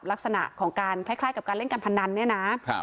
ลักษณะของการคล้ายกับการเล่นการพนันเนี่ยนะ